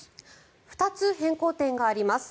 ２つ変更点があります。